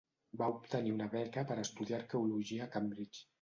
Va obtenir una beca per estudiar Arqueologia a Cambridge.